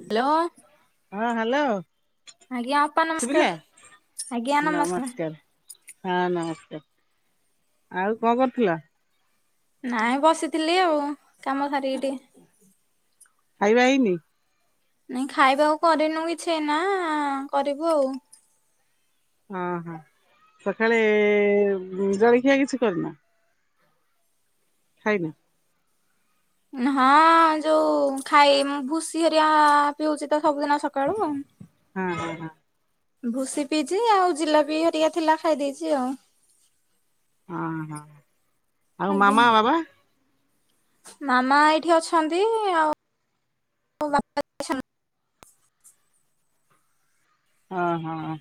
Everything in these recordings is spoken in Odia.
ହାଲୋ। ହଁ ହାଲୋ ଅପା ନମସ୍କାର ସୁବିଲା ନମସ୍କାର। ହଁ ନମସ୍କାର ଆଉ କଁ କରୁଥିଲ? ନାଇଁ ବସିଥିଲି ଆଉ କାମ ସାରିକି ଟେ ଖାଇବା ହେଇନି? ନାଇଁ ଖାଇବା ଆଉ କରିନୁ କିଛି ଏଇନା କରିବୁ ଆଉ। ହଁ ହଁ, ସକାଳେ ଜଳଖିଆ କିଛି କରିନ? ଖାଇନ? ହଁ ଯୋଉ ଖାଇ ମୁଁ ଭୁସି ହେରିଆ ପିଉଛି ତ ସବୁଦିନ ସ କାଳୁ। ହଁ ହଁ ହଁ। ଭୁସି ପିଇଛି ଆଉ ଜିଲାପି ହେରିକା ଥିଲା ଖାଇ ଦେଇଛି ଆଉ। ଅଁ ହଁ ଆଉ ଆଜ୍ଞା। ମାମା ବାବା? ମାମା ଏଇଠି ଅଛନ୍ତି ଆଉ ବାପା ହଁ ହଁ।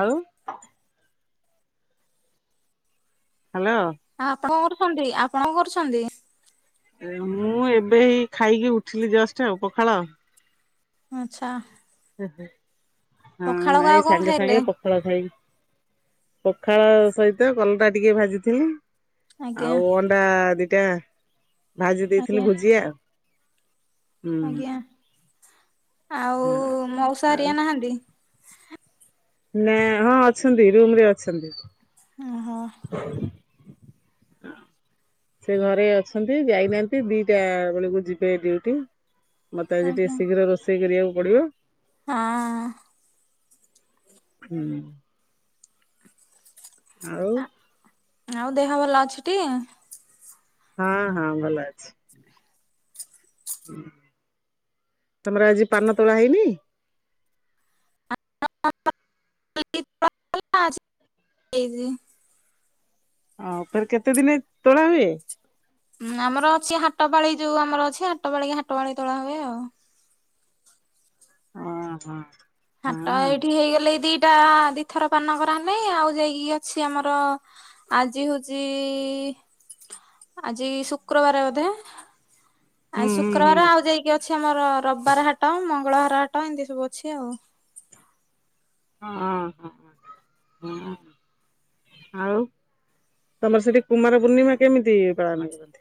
ଆଉ। ହ୍ୟାଲୋ। ଆ ଆପଣ କଣ କରୁଛନ୍ତି, ଆପଣ କଣ କରୁଛନ୍ତି? ମୁଁ ଏବେଏଇ ଖାଇକି ଉଠିଲି ଜଷ୍ଟ ଆଉ ପଖାଳ। ଆଛା। ହଁ ନାଇଁ ଆଉ କଣ ସାଙ୍ଗେ ସାଙ୍ଗେ ଖାଇଲେ ପ ପଖାଳ ଖାଇ ପଖାଳ ସହିତ କଲଟା ଟିକେ ଭାଜିଥିଲି। ଆଜ୍ଞା ଆଉ ଅଣ୍ଡା ଦିଟା ଭାଜି ଦେଇଥିଲି ଆଜ୍ଞା ଭୁଜିଆ। ହୁଁ। ଆଜ୍ଞା। ଆଉ ହଁ। ମଉଶା ଆଉ ହାରିଆ ନାହାନ୍ତି? ନା ହଁ ଅଛନ୍ତି ରୁମରେ ଅଛନ୍ତି। ଓହୋ। [inaudible] ସେ ଘରେ ଅଛନ୍ତି ଯାଇନାହାନ୍ତି ଦିଟା ବେଳକୁ ଯିବେ ଡିଉଟି। ମତେ ଆଜି ଟିକେ ଆଜ୍ଞା ଶୀଘ୍ର ରୋଷେଇ କରିବାକୁ ହଁ ପଡ଼ିବ। ହୁଁ। ଆଉ। ଆଉ ଦେହ ଭଲ ଅଛିଟି? ହଁ ହଁ ଭଲ ଅଛି। ତମର ଆଜି ପାନ ତୋଳା ହେଇନି? [unintelligible] ଓ ଫେରେ କେତେ ଦିନେ ତୋଳା ହୁଏ? ହଁ ଆମର ଅଛି ହାଟ ପାଳି ଯୋଉ ଆମର ଅଛି ହାଟ ପାଳି କି ହାଟ ପାଳି ତୋଳା ହୁଏ ଆଉ। ହଁ ହଁ। ହାଟ ଏଇଠି ହେଇଗଲେ ଏଇ ଦିଟା ଦି ପଥର ପାନ କରାନେ ଆଉ ଯାଇକି ଅଛି ଆମର ଆଜି ହଉଛି ଆଜି ଶୁକ୍ରବାର ବୋଧେ ଆ ହୁଁ ହୁଁ ହୁଁ ଶୁକ୍ରବାର ଆଉ ଯାଇକି ଅଛି ଆମର ରବିବାର ହାଟ ମଙ୍ଗଳବାର ହାଟ ଏମିତି ସବୁ ଅଛି ଆଉ। ହଁ ହ ହଁ ହଁ। ଆଉ ତମର ସେଠି କୁମାର ପୂର୍ଣ୍ଣିମା କେମିତି ପାଳନ କରନ୍ତି?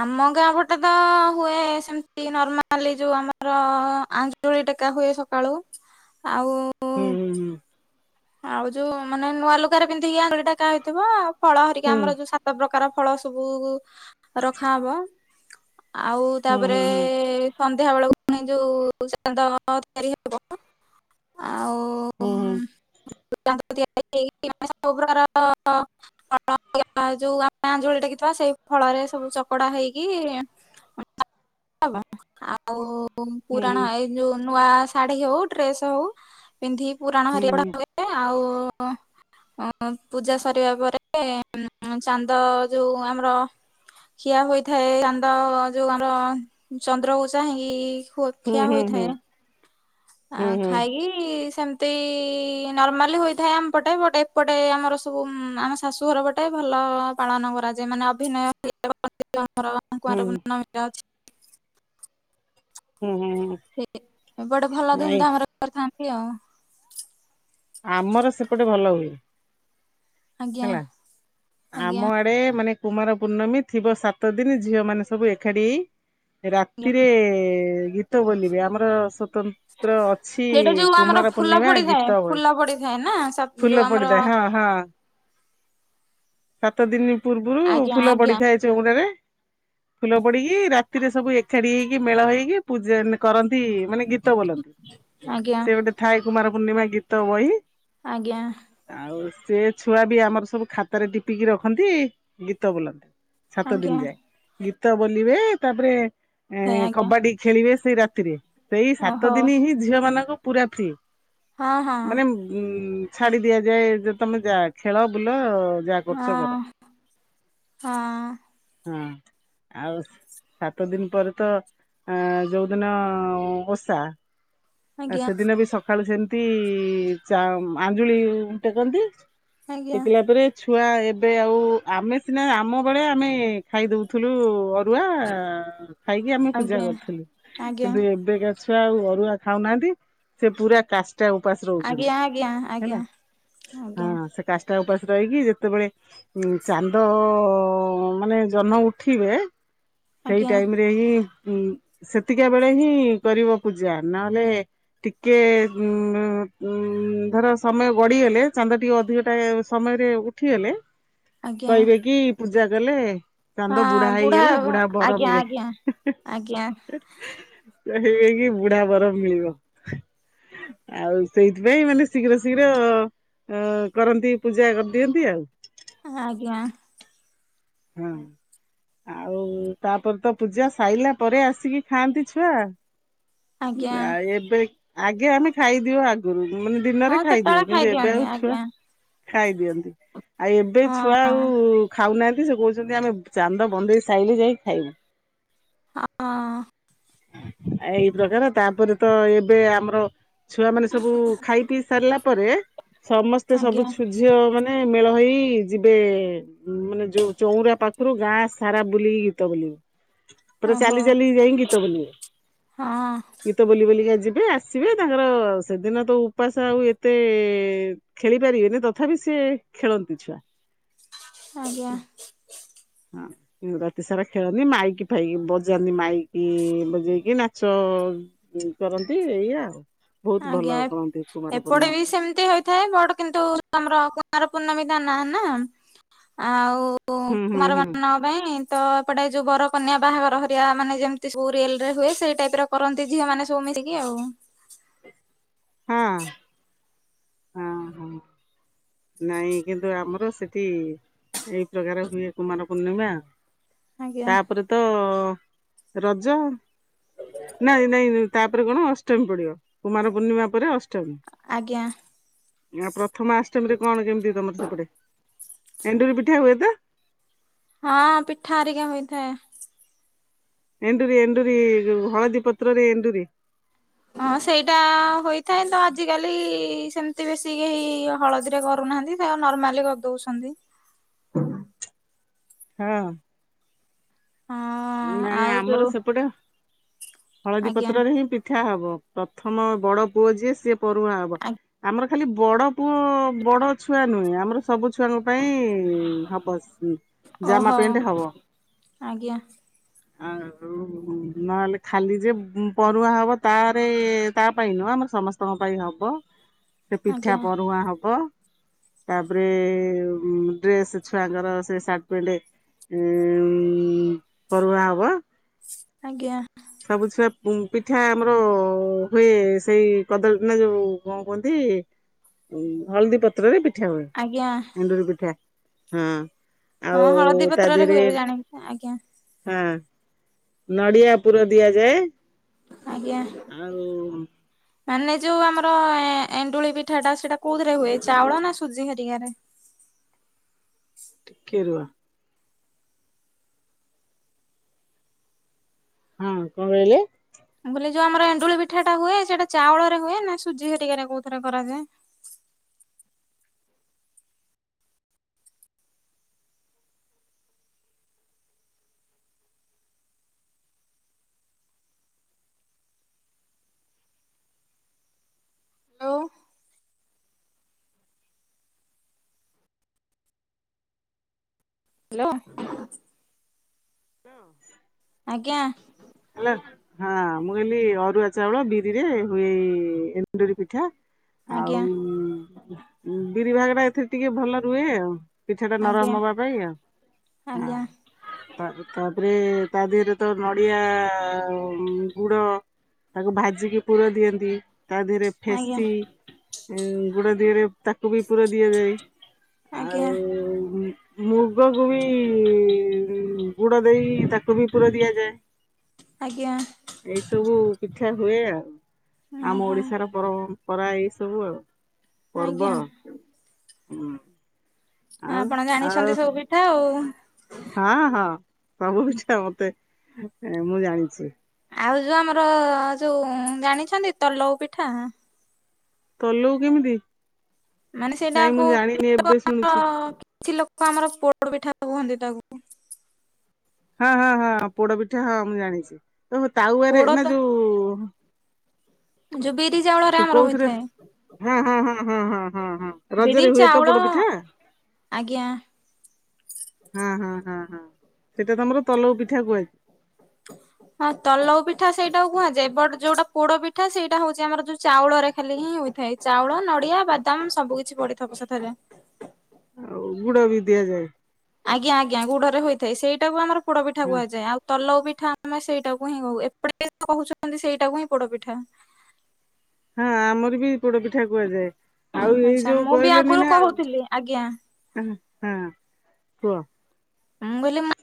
ଆମ ଗାଁ ପଟେ ତ ହୁଏ ସେମତି ନର୍ମାଲି ଯୋଉ ଆମର ଆଞ୍ଜୁଳି ଟେକା ହୁଏ ସକାଳୁ, ଆଉ ହୁଁ ହୁଁ ହୁଁ। ଆଉ ଯୋଉ ମାନେ ନୂଆ ଲୁଗାରେ ପିନ୍ଧିକି ଆଞ୍ଜୁଳି ଟେକା ହେଇଥିବ ଫଳ ହେରିକି ହୁଁ ଆମର ଯୋଉ ଶା ସାତ ପ୍ରକାର ଫଳ ସବୁ ରଖା ହବ। ଆଉ ହୁଁ ତାପରେ ସନ୍ଧ୍ୟା ବେଳକୁ ପୁଣି ଯୋଉ ତିଆରି ହେବ। ଆଉ ଉଁ। ହୁଁ ହୁଁ ତିଆରି ସବୁ ପ୍ରକାର [inaudible] ଯୋଉ ଆମେ ଆଞ୍ଜଳି ଡେକିଥିବା ସେଇ ଫଳରେ ସବୁ ଚକଡା ହେଇକି [inaudible] ଆମେ। ଆଉ ହୁଁ ପୁରାଣ ଏଇ ଯୋଉ ନୂଆ ଶାଢୀ ହଉ ଡ୍ରେସ ହଉ। ପିନ୍ଧିକି ପୁରାଣ ହୁଁ ହୁଁ ହରିକା ପଢା ହୁଏ ଆଉ। ପୂଜା ସରିବା ପରେ ଚାନ୍ଦ ଯୋଉଁ ଆମର। ଖିଆ ହୋଇଥାଏ ଚାନ୍ଦ ଯୋଉ ଆମର ଚନ୍ଦ୍ରକୁ ଚାହିଁକି ହୁଁ ହୁଁ ହୁଁ। ହୁଁ ଆଉ ହୁଁ ଖାଇକି। ସେମତି ନର୍ମାଲି ହୋଇଥାଏ ଆମପଟେ ବଟେ ଏପଟେ ଆମର ସବୁ ଆମ ଶାଶୁଘର ପଟେ ଗୋଟେ ଭଲ ପାଳନ କରାଯାଏ ମାନେ ଅଭିନୟମର କୁରଆଁ ହୁଁ ର ପୂର୍ଣମୀ ଅଛି। ହୁଁ ହୁଁ ହୁଁ। ସେ ଏପଟେ ଭଲ ନାଇଁ ଧୁମଧାମରେ କରିଥାନ୍ତି ଆଉ। ଆମର ସେପଟେ ଭଲ ହୁଏ। ଆଜ୍ଞା ହେଲା ଆଜ୍ଞା। ଆମ ଆଡେ ମାନେ କୁମାର ପୂର୍ଣ୍ଣମୀ ଥିବ ସାତ ଦିନ ଝିଅ ମାନେ ସବୁ ଏଖାଠି ହେଇ। ଆଜ୍ଞା। ରାତିରେ ଗୀତ ବୋଲିବେ ଆମର ସ୍ଵତନ୍ ତ୍ର ଅଛି ସେଇଟା ଯୋଉ ଆମର କୁମାର ଫୁଲ ପୂର୍ଣ୍ଣିମା ପଡିଥାଏ ଗୀତ ବହି ଫୁଲ ପଡିଥାଏ ନା ଯୋଉ ଫୁଲ ଆମର ପଡିଥାଏ ହଁ ହଁ ହଁ। ସାତ ଦିନି ପୂର୍ବରୁ ଆଜ୍ଞା ଫୁଲ ଆଜ୍ଞା ପଡିିଥାଏ ଚଉରାରେ। ଫୁଲ ପଡିକି ରାତିରେ ସବୁ ଏଖାଠି ହେଇକି ମେଳ ହେଇକି ପୂଜା ନ୍ କରନ୍ତି ମାନେ ଗୀତ ବୋଲନ୍ତି ଆଜ୍ଞା ସେ ଗୋଟେ ଥାଏ କୁମାର ପୂର୍ଣ୍ଣିମା ଗୀତ ବହି। ଆଜ୍ଞା। ଆଉ ସେ ଛୁଆ ବି ଆମର ସବୁ ଖାତାରେ ଟିପିକି ରଖନ୍ତି ଗୀତ ବୋଲନ୍ତି। ସାତ ଆଜ୍ଞା ଦିନ ଯାଏ ଗୀତ ବୋଲିବେ ତାପରେ ଏ ହେ ଆଜ୍ଞା କବାଡି ଖେଳିବେ ସେଇ ରାତିରେ ସେଇ ସାତ ଓହୋ ଦିନି ହିଁ ଝିଅ ମାନଙ୍କ ପୁରା ଫ୍ରି। ହଁ ହଁ ମାନେ ଉଁ ଛାଡି ଦିଆଯାଏ ଯେ ତମେ ଯା ଖେଳ ବୁଲ। ଯାହା ହଁ କରୁଛ କର ହଁ ହଁ ଆଉ ସାତ ଦିନ ପରେ ତ ଆ ଯୋଉଦିନ ଓଷା। ଆ ଆଜ୍ଞା ସେଦିନ ବି ସକାଳୁ ସେମିତି ଚା ଆଞ୍ଜୁଳି ଟେକନ୍ତି। ଆଜ୍ଞା ଟେକିଲା ପରେ। ଛୁଆ ଏବେ ଆଉ ଆମେ ସିନା ଆମ ବେଳେ ଆମେ ଖାଇ ଦଉଥିଲୁ ଅ ଅରୁଆ ଖାଇକି ଆମେ ପୂଜା ଆଜ୍ଞା। ଆଜ୍ଞା କରୁଥିଲୁକିନ୍ତୁ ଏବେ କା ଛୁଆ ଆଉ ଅରୁଆ ଖାଉନାହାନ୍ତି ସେ ପୁରା କାଷ୍ଟା ଉପାସ ଆଜ୍ଞା ରହୁଚନ୍ତି ଆଜ୍ଞା ଆଜ୍ଞା ହେଲା। ହଁ ସେ କାଷ୍ଟା ଉପାସ ରହିକି ଯେତେବେଳେ। ଚାନ୍ଦ ଅ ଅ ଅ ମାନେ ଜହ୍ନ ଉଠିବେ ସେଇ ଆଜ୍ଞା ଟାଇମ ରେ ସେତିକା ବେଳେ ହିଁ କରିବ ପୂଜା ନହେଲେ ଟିକେ ଉ ଉ ଧର ସମୟ ଗଡିଗଲେ ଚାନ୍ଦ ଟିକେ ଅଧିକ ଟା ସମୟରେ ଉଠିଗଲେ ଆଜ୍ଞା ଆଜ୍ଞା। କହିବେ କି ପୂଜା କଲେ। ଚାନ୍ଦ ବୁଢା ହେଇଗଲେ ବୁଢା ବର ଆଜ୍ଞା ମିଳେ। ଆଜ୍ଞା ଆଜ୍ଞା ହେଇଇକି ବୁଢା ବର ମିଳିବ। ଆଉ ସେଇଥିପାଇଁ ମାନେ ଶୀଘ୍ର ଶୀଘ୍ର ଅ କରନ୍ତି ପୂଜା କରିଦିଅନ୍ତି ଆଉ। ଆଜ୍ଞା। ହୁଁ। ଆଉ ତାପରେ ତ ପୂଜା ସାଇଲା ପରେ ଆସିକି ଖାଆନ୍ତି ଛୁଆ। ଆଜ୍ଞା। ଆ ଏବେ ଆଗେ ଆମେ ଖାଇଦିଅ ଆଗରୁ ମାନେ ହଁ ଦିନରେ ଖାଇଦିଅଉ, ସେତେବେଳେ କିନ୍ତୁ ଏବେ ଖାଇଦିଅନ୍ତି ଆଉ ଛୁଆ ଆଜ୍ଞା ଖାଇଦିଅନ୍ତି। ଆ ଏବେ ଛୁଆ ହଁ। ଆଉ ଖାଉନାହାନ୍ତି, ସେ କହୁଚନ୍ତି ଆମେ ଚାନ୍ଦ ବନ୍ଦେଇ ସାଇଲେ ଯାଇଁ ଖାଇବୁ। ହଁ। ଆ ଏଇ ପ୍ରକାର ତାପରେ ତ ଏବେ ଆମର ଛୁଆ ମାନେ ସବୁ ଖାଇ ପିଇ ସାରିଲା ପରେ ସମସ୍ତେ ସବୁ ଆଜ୍ଞା ଛୂ ଝିଅ ମାନେ ମେଳ ହେଇ ଯିବେ ମାନେ ଯୋଉ ଚଉରା ପାଖ ରୁ ଗାଁ ସାରା ବୁଲିକି ଗୀତ ବୋଲିବୁ। ପୁରା ଓହୋ ଚାଲି ଚାଲି ଯାଇଁ ଗୀତ ବୋଲିବୁ। ହଁ ଗୀତ ବୋଲି ବୋଲିକା ଯିବେ ଆସିବେ, ତାଙ୍କର ସେଦିନ ତ ଉପାସ ଆଉ ଏତେ ଖେଳି ପାରିବେନି ତଥାପି ସିଏ ଖେଳନ୍ତି ଛୁଆ। ଆଜ୍ଞା। ରାତି ସାରା ଖେଳନ୍ତି, ମାଇକି ଫାଇକି ବଜାନ୍ତି ମାଇକି ବଜେଇକି ନାଚ ହଁ କରନ୍ତି ଏଇଆ ଆଉ। ବହୁତ ଭଲ ଆଜ୍ଞା କରନ୍ତି କୁମାର ଏପଟେ ବି ପୂର୍ଣ୍ଣମରେ। ସେମିତି ହ ହୁଏ ବଡ କିନ୍ତୁ ଆମର କୁମାର ପୂର୍ଣ୍ଣମୀ ତା ନାଁ ନା, ଆଉ ଉ ହୁଁ ହୁଁ କୁମାର ହୁଁ। [unintelligible] ପାଇଁ ତ ଏପଟେ ଯୋଉ ବର କନ୍ୟା ବାହାଘର ହେରିଆ, ମାନେ ଯେମିତି ସୁ ରିଅଲ୍ ରେ ହୁଏ ସେଇ ଟାଇପର କରନ୍ତି ଝିଅ ମାନେ ସବୁ ମିଶିକି ଆଉ। ହଁ। ହଁ- ହଁ। ନାଇଁ କିନ୍ତୁ ଆମର ସେଠି ଏଇ ପ୍ରକାର ହୁଏ କୁମାର ପୂର୍ଣ୍ଣିମା ଆଉ। ଆଜ୍ଞା ତାପରେ ତ ରଜ ନାଇଁ ନାଇଁ ତାପରେ କଣ ଅଷ୍ଟମୀ ପଡିବ କୁମାର ପୂର୍ଣ୍ଣିମା ପରେ ଅଷ୍ଟମୀ। ଆଜ୍ଞା। ପ୍ରଥମା ଅଷ୍ଟମୀରେ କଣ କେମିତି ତମର ସେପଟେ, ଏଣ୍ଡୁରି ପିଠା ହୁଏ ତ? ହଁ ପିଠା ହେରିକା ହୋଇଥାଏ। ଏଣ୍ଡୁରି ଏଣ୍ଡୁରି ଯୋଉ ହଳଦୀ ପତ୍ରରେ ଏଣ୍ଡୁରି। ହଁ ସେଇଟା ହୋଇଥାଏ, ତ ଆଜିକାଲି ସେମିତି ବେଶୀ କେହି ହଳଦୀରେ କରୁନାହାନ୍ତି। ସେଇଆକୁ ନର୍ମାଲି କରି ଦଉଛନ୍ତି। ହଁ। ହଁ ନାଇଁ ଆଉ ଆମର ଯୋଉ ସେପଟେ ହଳଦୀ ଆଜ୍ଞା ପତ୍ରରେ ହିଁ ପି ଠା ହବ, ପ୍ରଥମ ବଡ ପୁଅ ଯିଏ ସିଏ ପୋରୁଆଁ ହବ। ଆ ଆମର ଖାଲି ବଡ ପୁଅ ବଡ ଛୁଆ ନୁହେଁ, ଆମର ସବୁ ଛୁଆଙ୍କ ପାଇଁ ହବସ୍ ଉଁ। ଓ ହୋ ଆଜ୍ଞା। ଆଉ ଆଉ ନହେଲେ ଖାଲି ଯେ ପରୁଆଁ ହବ ତାରେ ତା ପାଇଁ ନୁହଁ, ଆମର ସମ ସ୍ତଙ୍କ ପାଇଁ ହବ। ସେ ପିଠା ଆଜ୍ଞା ପରୁଆଁ ହବ। ତାପରେ ଡ୍ରେସ୍ ଛୁଆଙ୍କର ସେ ସାର୍ଟ ପେଣ୍ଟ୍ ଉ ପରୁଆଁ ହବ। ଆଜ୍ଞା। ସବୁ ଛୁଆ ପିଠା ଆମର ହୁଏ ସେଇ କଦଳୀ ନା ଯୋଉ କଣ କୁହନ୍ତି ଉ ହଳଦୀ ପତ୍ରରେ ପିଠା ହୁଏ। ଆଜ୍ଞା। ଏଣ୍ଡୁରି ପିଠା ହଁ। ହଁ ଆଉ ହଳଦୀ ପତ୍ରରେ ହୁଏ ଜାଣିକି ଆଜ୍ଞା। ହୁଁ ନଡିଆ ପୁର ଦିଆଯାଏ। ଆଜ୍ଞା। ଆଉ ମାନେ ଯୋଉ ଆମର ଏଣ୍ଡୁଳି ପିଠା ଟା ସେଇଟା କୋଉଥିରେ ହୁଏ? ଚାଉଳ ନା ସୁଜି ହେରିକାରେ? ଟିକେ ରୁହ। ହଁ କଣ କହିଲେ? ମୁଁ କହିଲି ଯୋଉ ଆମର ଏଣ୍ଡୁଳି ପିଠା ଟା ହୁଏ ସେଇଟା ଚାଉଳରେ ହୁଏ ନା ସୁଜି ହେରିକା ରେ କୋଉଥିରେ କରାଯାଏ। ହାଲୋ। ଲୋ। ଲୋ। ଆଜ୍ଞା। ହାଲୋ। ହଁ ମୁଁ କହିଲି ଅରୁଆ ଚାଉଳ ବିରିରେ ହୁଏ ଏଇ ଏଣ୍ଡୁରି ପିଠା। ଆଜ୍ଞା ଆଉ ବିରିଭାଗ ଟା ଏଥିରେ ଟିକେ ଭଲ ରୁହେ ଆଉ। ପିଠା ଟା ଆଜ୍ଞା ନରମ ହବା ପାଇଁ ଆଉ ଆଜ୍ଞା। ହଁ ଆଗୁ ତାପରେ ତା ଦେହରେ ତ ନଡ଼ିଆ ଗୁଡ଼ ତାକୁ ଭାଜିକି ପୁର ଦିଅନ୍ତି। ତା ଡିହରେ ଆଜ୍ଞା ଫେସି ଗୁଡ଼ା ଦିହରେ ତାକୁ ବି ପୁରା ଦିଆଯାଏ। ଆଉ ଆଜ୍ଞା। ମୁଗକୁ ବି ଗୁଡ ଦେଇ ତାକୁ ବି ପୁର ଦିଆଯାଏ। ଆଜ୍ଞା। ଏଇ ସବୁ ପିଠା ହୁଏ ଆଉ। ଆମ ଓହୋ। ଓଡିଶାର ପରମ୍ପରା ଏଇ ସବୁ ଆଉ। ପର୍ବ ଆଜ୍ଞା। ହୁଁ ଆଉ ଆପଣ ଜାଣିଛନ୍ତି ଆଉ ସବୁ ପିଠା ଆଉ। ହଁ ହଁ। କଣ କୋହୁଛ ମତେ ମୁଁ ଜାଣିଚି। ଆଉ ଯୋଉ ଆମର ଯୋଉ ଜାଣିଛନ୍ତି ତଲୋଉ ପିଠା? ତଲୋଉ କେମିତି? ମାନେ ନାଇଁ ସେଇଟାକୁ ମୁଁ ଜାଣିନି ଏବେ ଆମର ଶୁଣୁଚି। କିଛି ଲୋକ ଆମର ପୋଡ ପିଠା କୁହନ୍ତି ତାକୁ। ହଁ ହଁ ହଁ ପୋଡ ପିଠା ହଁ ମୁଁ ଜାଣିଚି ଓହୋ ତାୱଆରେ ପୋଡ ନା ତ ଯୋଉ ଯୋଉ ବିରି ତୁ ଚାଉଳରେ ଆମର କୋଉଥିରେ ହୋଇଥାଏ। ହଁ ହଁ ହଁ ହଁ ହଁ ହଁ ବିରି ରଜରେ ହୁଏ ତ ଚାଉଳ ପୋଡ ପିଠା? ଆଜ୍ଞା। ହୁଁ ହୁଁ ହୁଁ ହୁଁ ସେଇଟା ତମର ତଲଉ ପିଠା କୁହା ତ ହଁ ତଲୋଉ ପିଠା ସେଇଟାକୁ କୁହାଯାଏ ବଟ ଯୋଉଟା ପୋଡ ପିଠା ସେଇଟା ହୋଉଚି ଆମର ଯୋଉ ଚାଉଳରେ ଖାଲି ହିଁ ହୁଇ ଥାଏ ଚାଉଳ ନଡିଆ ବାଦାମ ସବୁ କିିଛି ପଡିଥିବ ସେଥିରେ। ଆଉ ଗୁଡ ବି ଦିଆଯାଏ। ଆଜ୍ଞା ଆଜ୍ଞା ଗୁଡରେ ହୋଇଥାଏ ସେଇଟାକୁ ଆମର ପୋଡ ପିଠା ହଁ। କୁହାଯାଏ ଆଉ ତଲାଉ ପିଠା ଆମେ ସେଇଟାକୁ ହିଁ କହୁ ଏପଟେ କିନ୍ତୁ କହୁଛନ୍ତି ସେଇଟାକୁ ହିଁ ପୋଡ ପିଠା। ହଁ ଆମର ବି ପୋଡ ପିଠା କୁହାଯାଏ ଆଉ ଏଇ ଆଚ୍ଛା ଯୋଉ ମୁଁ ବି କହିଲେନି ଆଗରୁ ନା କହୁଥିଲି ଆଜ୍ଞା ଉ ହଁ କୁହ। ମୁଁ କହିଲି ନା।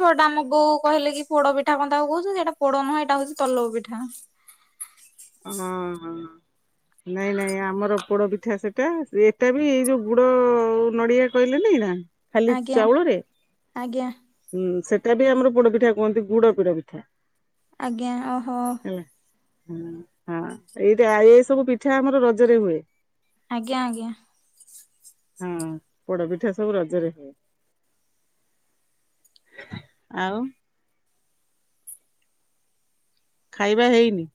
କହିଲେ କି ପୋଡ ପିଠା କଣ ତାକୁ କହୁଛନ୍ତି ସେଇଟା ପୋଡ ନୁହଁ ଏଇଟା ହଉଛି ତଲଉ ପିଠା। ହଁ ହଁ ନାଇଁ ନାଇଁ ଆମର ପୋଡ ପିଠା ସେଟା ଏଟା ବି ଏଇ ଯୋଉ ଗୁଡ ନଡିଆ କହିଲେନି ନା ଖାଲି ଆଜ୍ଞା ଚାଉଳରେ ଆଜ୍ଞା ହୁଁ ସେଟା ବି ଆମର ପୋଡ ପିଠା କୁହନ୍ତି ଗୁଡ ପୋଡ ପିଠା। ଆଜ୍ଞା ଓହୋ। ହଁ ଏଇଟା ଏ ସବୁ ପିଠା ଆମର ରଜରେ ହୁଏ। ଆଜ୍ଞା ଆଜ୍ଞା। ହଁ ପୋଡପିଠା ସବୁ ରଜରେ ହୁଏ। ଆଉ। ଖାଇବା ହେଇନି।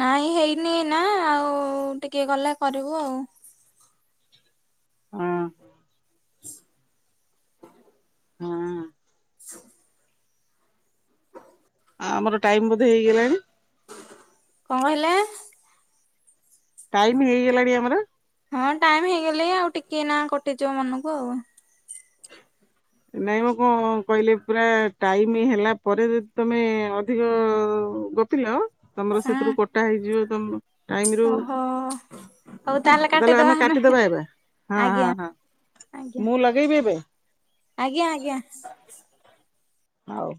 ନାଇଁ ହେଇନି ଏଇନା ଆଉ ଟିକେ ଗଲେ କରିବୁ ଆଉ। ହଁ। ହଁ। [inaudible] ଆ ଆମର ଟାଇମ୍ ବୋଧେ ହେଇଗଲାଣି। କଣ କହିଲେ? ଟାଇମ ହେଇଗଲାଣି ଆମର। ହଁ ଟାଇମ ହେଇଗଲେଇଁ ଆଉ ଟିକେ ଏଇନା କଟିଯିବ ମନକୁ ଆଉ। ନାଇଁମ କଣ କହିଲେ ପୁରା ଟାଇମ ହେଲା ପରେ ଯଦି ତମେ ଅଧିକ ଗ ଥିଲ ତମର ହଁ। ସେଥିରୁ କଟା ହେଇଯିବ ତମ ଟାଇମ ରୁ ଓହୋ ହଉ ତାହେଲେ କାଟିଦବା ଆମେ ଏବେ। ହଁ ହଁ ଆଜ୍ଞା। ହଁ ଆଜ୍ଞା। ମୁଁ ଲଗେଇବି ଏବେ। ଆଜ୍ଞା ଆଜ୍ଞା। ଆଉ।